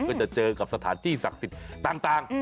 ก็จะเจอกับสถานที่ศักดิ์สิทธิ์ต่าง